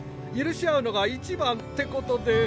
許し合うのが一番ってことで。